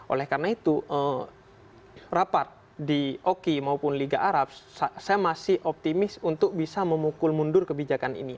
oleh karena itu rapat di oki maupun liga arab saya masih optimis untuk bisa memukul mundur kebijakan ini